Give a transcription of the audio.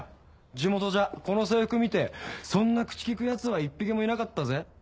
地元じゃこの制服見てそんな口利くヤツは１匹もいなかったぜ。